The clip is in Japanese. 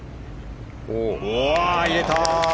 入れた！